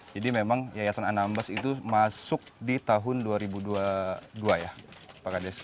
jadi memang yayasan anambas itu masuk di tahun dua ribu dua puluh dua ya pak kades